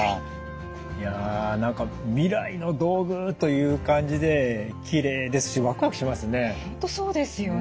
いや何か未来の道具という感じできれいですしワクワクしますね。